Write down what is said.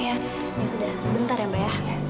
ya sudah sebentar ya mbak ya